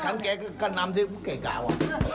ฉันแขกกะนำสิแขกกะว่ะ